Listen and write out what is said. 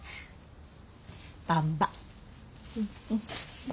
ばんば。